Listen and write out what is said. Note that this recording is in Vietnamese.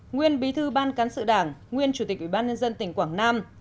nguyên bí thư ban cán sự đảng nguyên chủ tịch ubnd tỉnh quảng nam